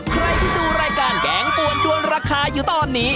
ใครที่ดูรายการแกงปวนด้วนราคาอยู่ตอนนี้